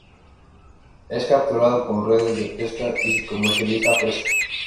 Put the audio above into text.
Es capturado con redes de pesca y se comercializa fresco.